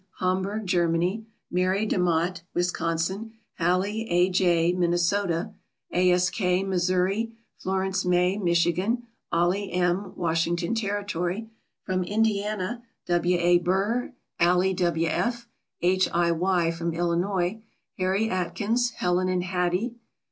Homburg, Germany; Mary De Motte, Wisconsin; Hallie A. J., Minnesota; A. S. K., Missouri; Florence May, Michigan; Ollie M., Washington Territory. From Indiana W. A. Burr, Allie W. F., H. I. Y. From Illinois Harry Atkins, Helen and Hattie.